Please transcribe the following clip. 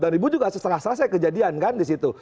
dan ribut juga seserah serah kejadian kan di situ